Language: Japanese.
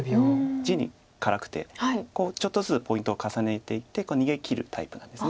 地に辛くてちょっとずつポイントを重ねていって逃げきるタイプなんです。